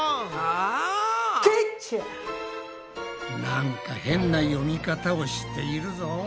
なんか変な読み方をしているぞ。